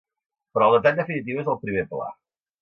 Però el detall definitiu és el primer pla.